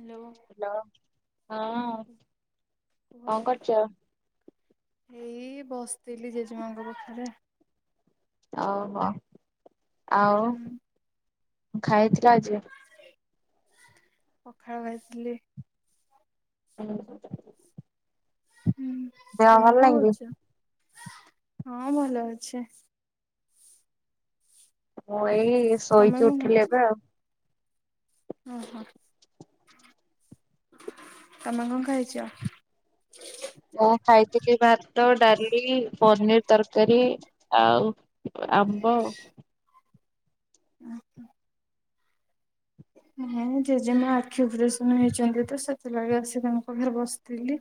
Hello. Hello ହଁ କୁହ ହଁ କଣ କରୁଚ? ଏଇ ବସିଥିଲି ଜେଜେମାଙ୍କ ପାଖରେ। ଓହୋ ଆଉ ହୁଁ ଖାଇଥିଲ ଆଜି? ପଖାଳ ଖାଇଥିଲି। [inaudible] ହୁଁ ଦେହ ତମେ ଭଲ କଣ ନାହିଁ କି? କରୁଛ ହଁ ଭଲ ଅଛି। ମୁଁ ଏଇ ତମେ ଶୋଇଛି କଣ ଉଠିଲି କରୁଛ? ଏବେ ଆଉ ଓହୋ। ତମେ କଣ ଖାଇଛ? ମୁଁ ଖାଇଥିଲି ଭାତ ଡାଲି ପନିର ତରକାରୀ। ଆଉ ଆମ୍ବ। ଆଚଛା ହଁ ଜେଜେମା ଆଖି ଅପରେସନ ହେଇଛନ୍ତି ତ ସେଥିଲାଗ ଆସି ତାଙ୍କ ପାଖରେ ବସିଥିଲି।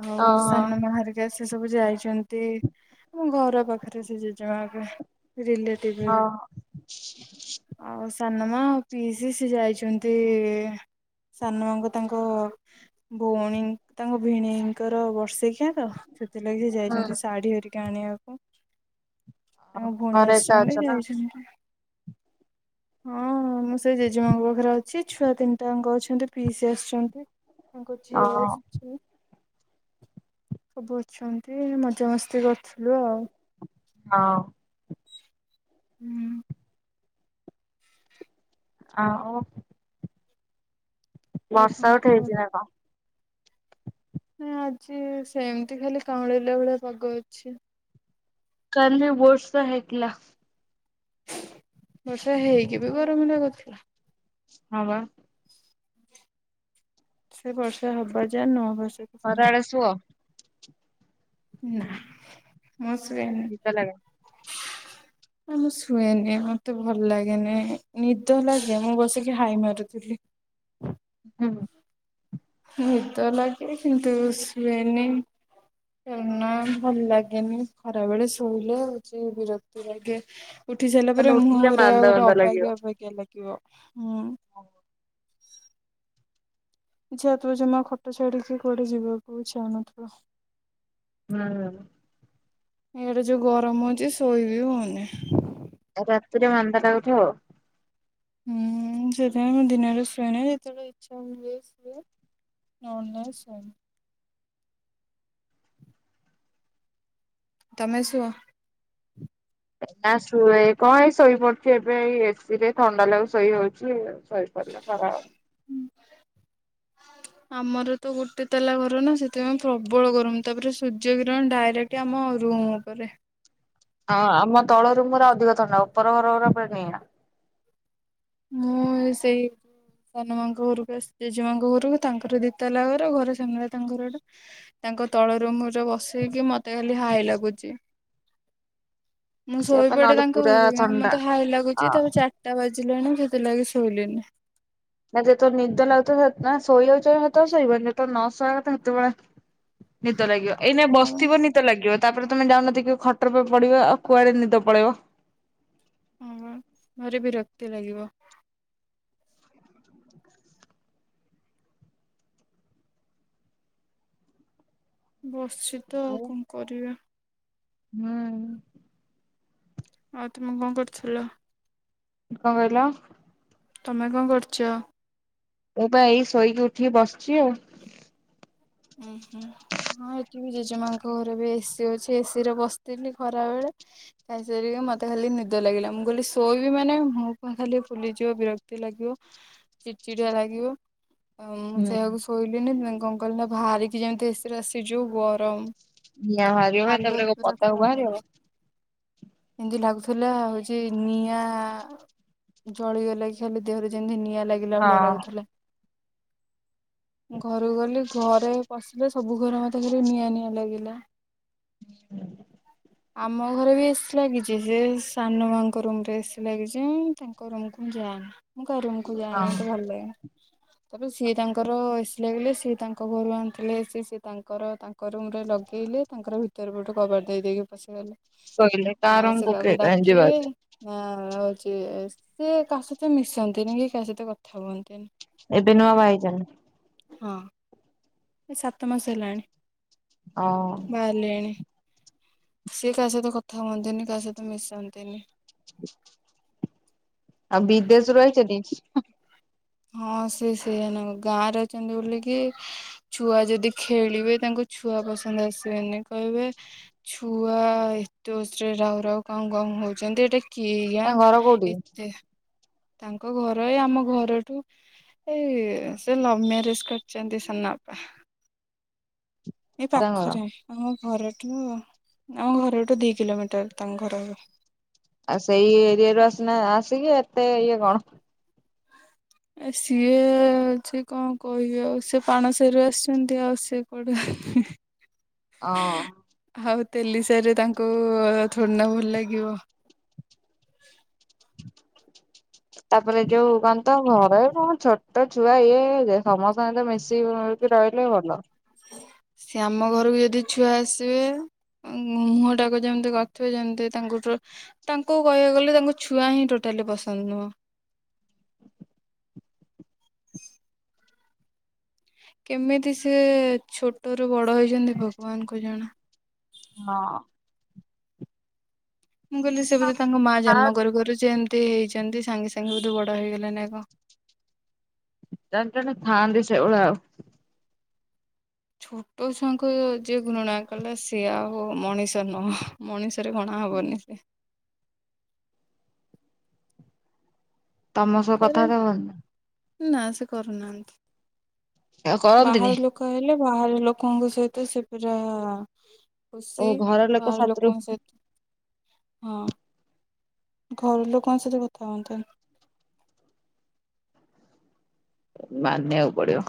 ଆଉ ଓହୋ ସାନ ବାହାରେ ସେ ସବୁ ଯାଇଛନ୍ତି ଆ ଘର ପାଖରେ ସେ ଜେଜେମା ହେବେ ରିଲେଟି ଭ ହଉ ଆଉ ସାନମା ପିଇସି ସିଏ ଯାଇଛନ୍ତି ସାନ ମାଙ୍କୁ ତାଙ୍କ ଭଉଣୀ ତାଙ୍କ ଭିଣେଇଙ୍କର ବର୍ଷେକିଆ ତ ସେଥିଲାଗି ସେ ହୁଁ ଯାଇଛନ୍ତି ଶାଢୀ ହେରିକା ଆଣିବାକୁ। ତାଙ୍କ ଭଉଣୀ ଘରେ ଏକା ଅଛ ଆସିଛନ୍ତି ନା? ଯାଇଛନ୍ତି ହଁ। ସେ ଜେଜେମାଙ୍କ ପାଖରେ ଅଛି ଛୁଆ ତିନିଟା ଙ୍କ ଅଛନ୍ତି ପିଇସି ଆସିଛନ୍ତି। ତାଙ୍କ ଝିଅ ଓ ଆସିଛି। ସବୁ ଅଛନ୍ତି ମଜାମସ୍ତି କରୁଥିଲୁ ଆଉ ହଁ। ହୁଁ। ଆଉ ଆଉ କଣ ବର୍ଷା କୁହ? ଉଠେଇଛି ନା କଣ? ନାଁ ଆଜି ସେମିତି ଖାଲି କାଉଁଳେଇା ଭଳିଆ ପାଗ ଅଛି। କାଲି ଵର୍ଷା ହୋଇଥିଲା। ବର୍ଷା ହେଇକି ବି ଗରମ ଲାଗୁଥିଲା। ହ ବା। ସେ ଵର୍ଷା ହବା ଯା ନ ହେବା ବର୍ଷ। ଖରାବେଳେ ସୁଅ। ନା ମୁଁ ଶୁଏନି। ନିଦ ଲାଗେ। ହଁ ଆ ମୁଁ ଶୁଏନି ମତେ ଭଲ ଲାଗେନି ନିଦ ଲାଗେ ମୁଁ ବସିକି ହାଇ ମାରୁଥିବି। [unintelligible] ନିଦ ଲାଗେ କିନ୍ତୁ ଶୁଏନି। କନା ଭଲ ଲାଗେନି ଖରା ବେଳେ ଶୋଇଲେ ହଉଛି ବିରକ୍ତି ଲାଗେ। ଉଠି ସାରିଲା ମାନେ ପରେ ମୁହଁ ଉଠିଲେ ପୁର ମାନ୍ଦା ଗୋଟେ ମାନ୍ଦା ଅବାକା ଅବାକ୍ଷା ଲାଗିବ ହୁଁ। ଓଉ। ଇଚ୍ଛା ଥିବ ଜମା ଖଟ ଛାଡିକି କୁଆଡେ ଯିବାକୁ ଇଛାହଉ ନଥିବ? ହୁଁ। ଇଆଡେ ଯୋଉ ଗରମ ହଉଛି ଶୋଇବି ହଉନି। ରାତିରେ ଥଣ୍ଡା ଲାଗୁଥିବ। ହୁଁ ସେଥିପାଇଁ ମଁ ଦିନରେ ଶୁଏନି ଯେତେବେଳେ ଇଛା ହୁଏ। ନଲେ ନାଇଁ ସୁଏନି। ତମେ ଶୁ ନା ଶୁଏ କଣ ଏଇ ଶୋଇପଡୁଚି ଏବେ ଏଇ ଏସି ରେ ଥଣ୍ଡା ଲାଗକୁ ଶୋଇ ହଉଚି ଶ [unintelligible] ହୁଁ। ଆମର ତ ଗୋଟେ ତାଲା ଘର ନା ସେଥିପାଇଁ ପ୍ରବଳ ଗରମ ତାପରେ ସୂର୍ଯ୍ୟ କିିରଣ ଡାଇରେକ୍ଟ ଏ ଆମ ରୁମ ଉପରେ। ହଁ ଆମ ତଳରୁ ପୁରା ଅଧିକ ଥଣ୍ଡା ଉପର ଘରରେ ପୁରା ନିଆଁ। ମୁଁ ସେଇ ସାନ ମାଙ୍କ ଘରକୁ ଆସି ଜେଜେମାଆଙ୍କ ଘରକୁ ତାଙ୍କର ଦିତଲା ଘର ଘର ସାମ୍ନା ରେ ତାଙ୍କର ଗୋଟେ ତାଙ୍କ ତଳ ରୁମ୍ ଯୋଉ ବସେଇକି ମତେ ଖାଲି ହାଇ ଲାଗୁଚି। ମୁଁ ସେ ପା ଶୋଇପଡେ ନହେଲେ ତାଙ୍କ ପୁରା ଘରେ ଥଣ୍ଡା। ମତେ ହାଇ ଲାଗୁଚଚି ହଁ ତାକୁ ଚା ଚାଟା ବାଜିଲେଣି ସେଥିଲାଗି ଶୋଇଲିନି। ନା ଯେତଳେ ନିଦ ଲାଗୁଥିବ ଯଦି ତମେ ଶୋଇବାକୁ ଚାହିଁବ ତମେ ଶୋଇବନି ଯେତେଳେ ନ ଶୋଇବା କଥା ସେତେବେଳେ ନିଦ ଲାଗିବ ଏଇନା ହଁ ବସିଥିବ ନିଦ ଲାଗିବ ତାପରେ ତମେ ଯାଉନ ଦେଖିବ କି ଖଟ ଉପରେ ପଡିବ ଆଉ କୁଆଡେ ନିଦ ପଳେଇବ। ହୁଁ ଘରେ ବିରକ୍ତି ଲାଗିବ। ହଁ ବସଚି ତ ଆଉ କଣ କରିବା। ହୁଁ। ହଉ ତମେ କଣ କରୁଥିଲ? କଣ କହିଲ? ତମେ କଣ କରଚ? ମୁଁ ବା ଏଇ ଶୋଇକି ଉଠିକି ବସିଚି ଆଉ। ଉଁ ହୁଁ। ହଁ ଏଠି ବି ଜେଜେମାଙ୍କ ଘରେ ବି ଏସିି ଅଛି ଏସିି ରେ ବସିଥିଲି ଖରା ବେଳେ। ଖାଇସାରିକି ମତେ ଖାଲି ନିଦ ଲାଗିଲା ମୁଁ କହିଲି ଶୋଇବି ମାନେ ମୁହଁ ଫୁହଁ ଖାଲି ଫୁଲିଯିବ ବିରକ ତି ଲାଗିବ ଚିଡି ଚିଡିଆ ଲାଗିବ। ଆଉ ମୁଁ ହୁଁ। ସେକୁ ଶୋଇଲିିନି ଇଁ କଣ କଲିନା ବାହାରିକି ଯେମିତି ଏସିରୁ ଆସିଚୁ ଗରମ ନିଆଁ ବାହାରିବ ହାଲତ ତାପରେ କଣ ପୁରା ପଦାକୁ ଖରାପ ହେଲା ବାହାରିବ। ଏମିତି ଲାଗୁଥିଲା ହଉଚି ନିଆଁ ଜଳିଗଲା କି ଖାଲି ଦେହରେ ଯେମିତି ନିଆଁ ଲାଗି ହଁ ଭଳିଆ ଲାଗୁଥିଲା ଘରୁକୁ ଗଲେ ଘରେ ପସିଲେ ସବୁ ଘର ମତେ ଖାଲି ନିଆଁ ନିଆଁ ଲାଗିଲା। ହୁଁ। ଆମ ଘରେ ବି ଏସି ଲାଗିଚି ସେ ସାନ ମାଙ୍କ ରୁମ୍ ରେ ଏସି ଲାଗିଚି ତାଙ୍କ ରୁମକୁ ମୁଁ ଯାଆନି। ମୁଁ ତା ରୁମ୍ କୁ ଯାଏନି ହଁ ମତେ ଭଲ ଲାଗେନି। ତାପରେ ସିଏ ତାଙ୍କର ଏସି ଲଗେଇଲେ ସିଏ ତାଙ୍କ ଘରୁ ଆଣିଥିଲେ ଏସି ସିଏ ତାଙ୍କର ତା ତାଙ୍କ ରୁମ୍ ରେ ଲଗେଇଲେ ତାଙ୍କର ଭିତରେ ପୋଟୁ କବାଟ ଦେଇ ଦେଇକି ପଶିଗଲେ। କହିଲେ ନା ସେ ତାରଙ୍କୁ କାହାକୁ କେଜାଣି ଡାକିବେ ଯିବାଆସିବା। ନା ରଉଚି ସେ କାହା ସହିତ ମିଶନ୍ତିନି କି କାହା ସହିତ କଥା ହୁଅନ୍ତିନି। ଏବେ ନୂଆ ବାହ ହେଇଚନ୍ତି? ହଁ। ଏ ସାତମାସ ହେଲାଣି। ଅ ଓ। ଲେଣି ସିଏ କାହା ସହିତ କଥା ହୁଅନ୍ତିନି କାହା ସହିତ ମିଶନ୍ତିନି। ହ [unintelligible] ଆଉ ବିଦେଶରୁ ଆଇଚତି। ହଁ ସେ ସେଇଆନୁ ଗାଁ ରହିଚନ୍ତି ବୋଲିକି ଛୁଆ ଯଦି ଖେଳିବେ ତାଙ୍କୁ ଛୁଆ ପସନ୍ଦ ଆସିବେନି କହିବେ ଛୁଆ ଏତେ ଓସରେ ରାଉ ରାଉ କାଉଁ କାଉଁ ହୋଉଚନ୍ତି ଏଟା କି ଗାଁ ତାଙ୍କ ଘର କୋଉଠି ଏତେ ତାଙ୍କ ଘର ଏ ଆମ ଘର ଠୁ ଏ ସେ ଲଭ ମ୍ୟାରେଜ କରିଚନ୍ତି ସନା ଅପା। ଏ ତାଙ୍କ ଘର? ପାଖରେ ଆମ ଘରଠୁ ଆମ ଘରଠୁ ଦି କିଲୋମିଟର ତାଙ୍କ ଘର। ଆଉ ସେଇ ଏରିଆରୁୁ ଆସିନା ଆସିକି ଏତେ ଇଏ କଣ? ଏ ସିଏ ଅଛି କଣ କହିବି ଆଉ ସେ ପାଣ ସାଇରୁ ଆସିଛନ୍ତି ଆଉ ସେ କୁଆଡୁ ଅ ଆଉ ତେଲି ସାଇରେ ତାଙ୍କୁ ଥୋଡି ନା ଭଲ ଲାଗିବ? [unintelligible] ତାପରେ ଯୋଉ କନ୍ ତ ଘରେ କଁ ଛୋଟ ଛୁଆ ଇଏ ଯେ ସମସ୍ତଙ୍କ ଅଇତ ମିଶିବୁ ବି ରହିଲେ ଭଲା। ସିଏ ଆମ ଘରୁକୁ ଯଦି ଛୁଆ ଆସିବେ ଉଁ ମୁହଁଟାକୁ ଯେମତି କରିଥିବେ ଯେମତି ତାଙ୍କୁଠୁ ତାଙ୍କୁ କହିବାକୁ ଗଲେ ତାଙ୍କ ଛୁଆ ହିଁ ଟୋଟାଲି ପସନ୍ଦ ନୁହଁ। କେମିତି ସେ ଛୋଟରୁ ବଡ ହେଇଚନ୍ତି ଭଗବାନଙ୍କୁ ଜଣା। ହଁ। ମୁଁ କହିଲି ସେ ବୋଧେ ତାଙ୍କ ମା ଜନ୍ମ ଥାଆନ୍ତି କରୁ କରୁ ସେ ଏମତି ହେଇଛନ୍ତି ସାଙ୍ଗେ ସାଙ୍ଗେ ବୋଧେ ବଡ ହେଇଗଲେ ନା କ। ଜଣେ ଜଣେ ଥାଆନ୍ତି ସେଇ ଭଳିଆ ଓ। ଛୋଟ ଛଆଙ୍କୁ ଯିଏ ଘୃଣା କଲା ସେ ଆଉ ମଣିଷ ନୁହଁ। ମଣିଷରେ ଗଣା ହବନି ସେ। ତମ ସହ କଥାଆତା ଅରନି? ନାଁ ସେ କରୁନାହାନ୍ତି ଆଉ କରନ୍ତିନି ବାହାର ଲୋ କ ହେଲେ ବାହାର ଲୋକଙ୍କ ସହିତ ସେ ପୁରା ଓ ଖୁସି ଘର ଲୋକ ବାହାର ସାଥିରୁ ଲୋକଙ୍କ ସହିତ ହଁ। ଘର ଲୋକଙ୍କ ସହିତ କଥା ହୁଅନ୍ତି। ମାନିଆଉ ପଡ଼ିଅ।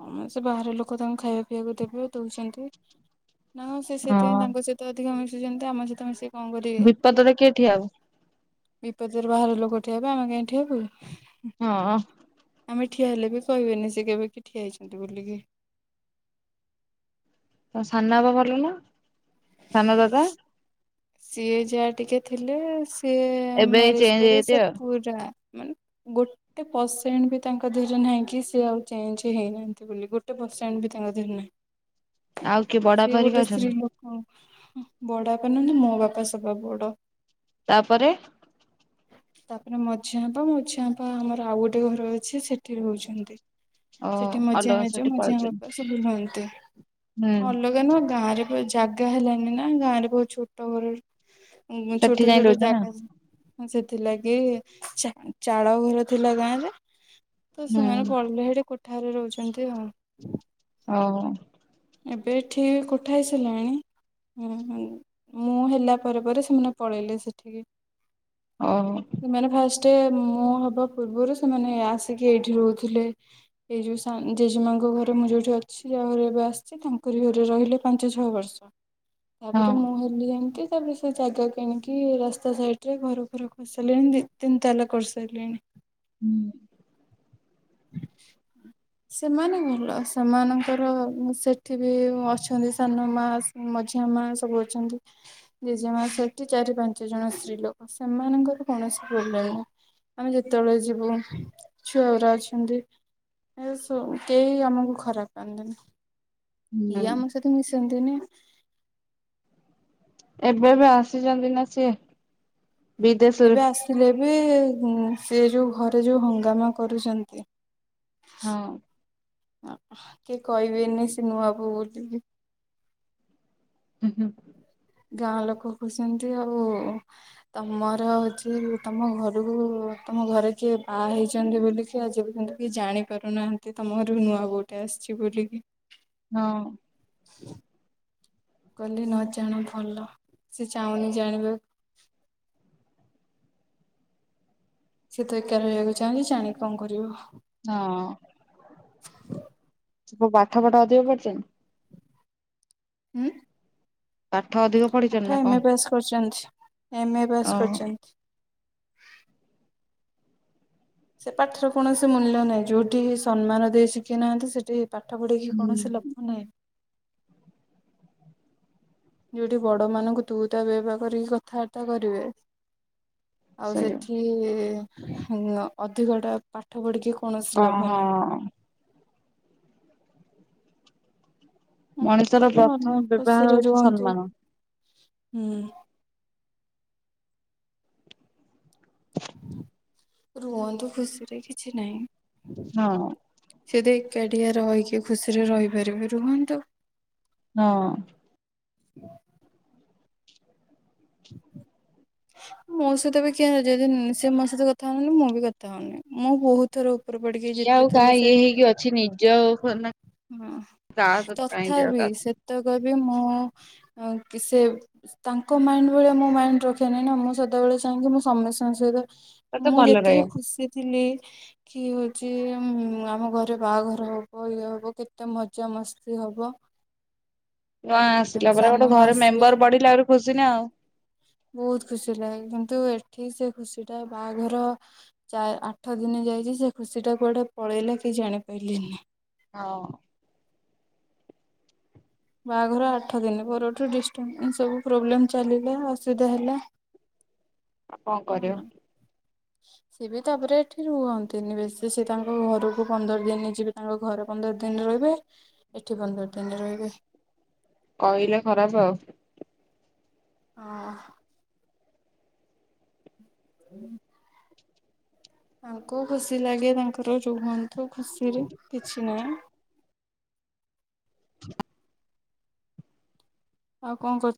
ହଁ ମ ସେ ବାହାର ଲୋକ ତାଙ୍କୁ ଖାଇବା ପିଇବାକୁ ଦେବେ ଦୋଉଛନ୍ତି ନାଁ ସେ ସେଇଥିପାଇଁ ହଁ ତାଙ୍କୁ ସେ ତ ଅଧିକ ମିଶୁତନ୍ତି ଆମ ସହିତ ମିଶି କଁ କରିଏ? ବିପଦରେ କିଏ ଠିଆ ହବ ବିପଦରେ ବାହାରେ ଲୋକ ଠିଆ ହେବେ ଆମେ କାଇଁ ଠିଆ ହବୁ। ହଁ। ଆମେ ଠିଆ ହେଲେ ବି କହିବେନି ସେ କେବେ କିି ଠିଆ ହେଇଛନ୍ତି ବୋଲିକି। ତମ ସାନ ଆବା ଭଲ ନୁହଁ ସାନ ଦାଦା? ସିଏ ଯାହା ଟିକେ ଥିଲେ ସିଏ ଏବେ ମ୍ୟାରେଜ ଚେଞ୍ଜ ପରେ ହେଇଯାଇଛି ସେ ଆଉ। ପୁରା ମାନେ ଗୋ ଟେ ପରସେଣ୍ଟ ବି ତାଙ୍କ ଦେହରେ ନାହିଁ କି ସିଏ ଆଉ ଚେଞ୍ଚ ହେଇନାହାନ୍ତି ବୋଲି ଗୋଟେ ପରସେଣ୍ଟ ବି ତାଙ୍କ ଦେହରେ ନାହିଁ। ଆଉ କିଏ ବଡ ସିଏ ବାପା ହେରିକା ଗୋଟେ ସ୍ତ୍ରୀ ଅଛନ୍ତି ଲୋକ ବୂଡ ବାପା ନୁହନ୍ତି ମ ବାପା ସବା ବଡ଼। ତାପରେ? ତାପରେ ମଝିଆଁ ଆପା, ମଝିଆଁ ଆପା ଆମର ଆଉ ଗୋଟେ ଘର ଅଛି ସେଠି ରହୁଛନ୍ତି। ଓ ସେଠି ମଝିଆ ଅଲଗା ଜେଜ, ସେଠି ମଝିଆ ପଳେଇଛନ୍ତି ବାପା ସବୁ ରୁହନ୍ତି। ହୁଁ। ଅଲଗା ନୁହଁ ଗାଁରେ। ଜାଗା ହେଲାନି ନା, ଗାଁରେ ବହୁତ ଛୋଟ ଘର, ସେଠି ଛୋଟ ଯାଇ ରହୁଛ ଛୋଟ ନା ଜାଗା। ହଁ ସେଥିଲାଗି ଚା-ଚାଳ ଘର ଥିଲା ଗାଁରେ। ତ ସେମାନେ ହୁଁ ପଳେଇଲେ, ସେଠି କୋଠାଘରେ ରହୁଛନ୍ତି ଆଉ। ଆଉ ଏବେ ଏଠି କୋଠା ହେଇ ସାରିଲାଣି। ଉଁ ହୁଁ, ମୁଁ ହେଲା ପରେ ପରେ ସେମାନେ ପଳେଇଲେ ସେଠିକି। ଓହୋ। ସେମାନେ ଫାଷ୍ଟେ, ମୁଁ ହବା ପୂର୍ବରୁ ସେମାନେ ଆସିକି ଏଇଠି ରହୁଥିଲେ। ଏଇ ଯୋଉ ସା-ଜେଜେମାଙ୍କ ଘରେ ମୁଁ ଯୋଉଠି ଅଛି ଆଉ ଘରେ ଏବେ ଆ ସେ ତାଙ୍କରି ଘରେ ରହିଲେ ପାଞ୍ଚ ଛଅ ବର୍ଷ। ତା ପରେ ହଁ। ମୁଁ ହେଲି ଯେମିତି ତା ପରେ ସେ ଜାଗା କିଣିକି ରାସ୍ତା ସାଇଡରେ ଘର ଫର କରି ସାରିଲେଣି ଦି ତିନି ତାଲା କରିସାରିଲେଣି। ହୁଁ। [inaudible] ସେମାନେ ଭଲ। ସେମାନଙ୍କର ସେଠି ବି ଅଛନ୍ତି ସାନ ମା। ମଝିଆ ମା ସବୁ ଅଛନ୍ତି। ଜେଜେମା ସେଠି, ଚାରି ପାଞ୍ଚ ଜଣ ସ୍ତ୍ରୀ ଲୋକ। ସେମାନଙ୍କର କୌଣସି ପ୍ରୋବ୍ଲେମ ନାହିଁ। ଆମେ ଯେତେବେଳେ ଯିବୁ ଛୁଆଗୁରା ଏମିତି। ଏ ସୋ କେହି ଆମକୁ ଖରାପ ପାଆନ୍ତିନି। ଇଏ ହୁଁ ଆମ ସହିତ ମିଶନ୍ତିନି। ଏବେ ଏବେ ଆସିଛନ୍ତି ନା ସିଏ। ବିଦେଶରୁ ଏବେ ଆସିଲେ ବି ସେ ଯୋଉ ଘରେ ଯୋଉ ହଙ୍ଗାମା କରୁଛନ୍ତି। ହଁ। କିଏ କହିବେନି ସେ ନୂଆବୋହୁ ବୋଲି କି? ହୁଁ ହୁଁ। ଗାଁ ଲୋକ କହୁଛନ୍ତି ଆଉ ତମର ହଉଛି ତମ ଘରକୁ, ତମ ଘରେ କିଏ ବାହା ହେଇଚନ୍ତି ବୋଲିକି କିଏ ଆଜି ପର୍ଯ୍ୟନ୍ତ କିଏ ଜାଣି ପାରୁନାହାନ୍ତି, ତମ ଘରୁକୁ ନୂଆ ବୋହୂଟେ ଆସିଛି ବୋଲିକି? ହଁ। କହିଲେ ନ ଜାଣ ଭଲ, ସେ ଚାହୁଁନି ଜାଣିବାକୁ। ସେଏ ତ ଏକା ରହିବାକୁ ଚାହୁଁଛି, ଜାଣିକି କଣ କରିବ? ହଁ, ସବୁ ପାଠ ପାଠ ଅଧିକ ପଢ଼ିଚନ୍ତି। ଉଁ। ପାଠ ଅଧି ପାଠ ଏମ ଏ ପାସ୍ କରୁଛନ୍ତି। ଏମ ଏ ପାସ ଓହୋ କରୁଚନ୍ତି। ସେ ପାଠର କୌଣସି ମୂଲ୍ୟ ନାହିଁ, ଯୋଉଠିି ସମ୍ମାନ ଦେଇ ଶିଖି ନାହାନ୍ତି, ସେଠି ପାଠ ପଢିକି କୌଣସି ଲା ହୁଁ। ନେ ଯୋଉଠି ବଡ ମାନଙ୍କୁ ତୁ ତା ବେ ବା କରିକି କଥାବାର୍ତ୍ତା କରିବେ। ଆଉ ସେଇଆ ସେଠି ଅଧିକ ଟା ପାଠ ପଢିକି କୌଣସି ଓ ଲାଭ ନାହିଁ। ହଁ ମଣିଷର ପ୍ରଥମ ଭଲ ବ୍ୟବହାର ଖୁସିରେ ହଉଛି ରୁହନ୍ତୁ। ସମ୍ମାନ ରୁହନ୍ତୁ, ଖୁସିରେ କିଛି ନାହିଁ। ହଁ। ସେ ତ ଏକାଟିଆ ରହିକି ଖୁସିରେ ରହିପାରିବେ ରୁହନ୍ତୁ। ହଁ ମୋ ସହିତ ବି କିଏ ଯଦି ସେ ମୋ ସହିତ କଥା ହଉନି ମୁଁ ବି କଥା ହଉନି ମୁଁ ବହୁତ ତର ଉପର ପଢଡିି କିଏ ଆଉ କାହା ଇଏ ହେଇକି ଅଛି ନିଜ ହଁ ସହିତ କାହିଁ ଦେହ ତଥାପି ତା ସେ ସେତକ ବି ମୁଁ କି ସେ ତାଙ୍କ ମାଇଣ୍ଡ୍ ଭଳିଆ ମୁ ମାଇଣ୍ଡ୍ ର ରଖିନି ନା ମୁଁ ସେତେବେଳେ ଯାଇଁକି ମୁଁ ସମସ୍ତଙ୍କ ସହିତ ସହିତ ମୁଁ ଭଲ ଯେତିକି ରହିବ। ଖୁସି ଥିଲି କି ହେଉଛି ଆମ ଘରେ ବାହାଘର ହେବ ଇଏ ହେବ କେତେ ମଜାମସ୍ତି ହେବ। ଜଣେ ଆସିଲା ପରେ ସାନ ଗୋଟେ ମା ଘରେ ଆସିବେ ମେମ୍ବର୍ ବଢିଲା ଆହୁରି ଖୁସି ନା ଆଉ ବହୁତ ଖୁସି ଲାଗେ କିନ୍ତୁ ଏଠି ସେ ଖୁସି ଟା ବାହାଘର ତା ଆଠ ଦିନ ଯାଇଛି ସେ ଖୁସି ଟା କୁଆଡେ ପଳେଇଲା କିଏ ଜାଣିପାରିଲେନି। ହଁ ବାହାଘର ଆଠ ଦିନ ପରଠୁ ଡିଷ୍ଟର୍ବାନ୍ସ୍ ସବୁ ପ୍ରୋବ୍ଲେମ୍ ଚାଲିଲା ଅସୁବିଧା ହେଲା। ଆଉ କଣ ଭଲ କରିବ ସିଏ ବି ତାପରେ ଏଠି ରୁହନ୍ତିନି ବେଶୀ ସିଏ ତାଙ୍କ ଘରକୁ ପନ୍ଦର ଦିନ ଯିବେ। ତାଙ୍କ ଘରେ ପନ୍ଦର ଦିନ ରହିବେ ଏଠି ପନ୍ଦର ଦିନ ରହିବେ। କହିଲେ ଖରାପ ଆଉ। ହଁ ହୁଁ ତାଙ୍କୁ ଖୁସି ଲାଗେ ତାଙ୍କର ରୁଅନ୍ତୁ ଖୁସିରେ କିଛି ନାହିଁ। ଆଉ କଣ କରୁଛ